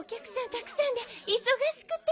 たくさんでいそがしくて。